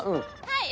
はい！